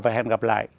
và hẹn gặp lại